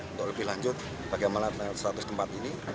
untuk lebih lanjut bagaimana status tempat ini